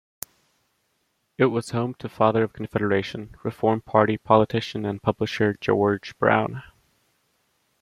It was home to Father of Confederation, Reform Party politician and publisher George Brown.